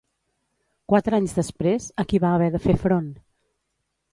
Quatre anys després, a qui va haver de fer front?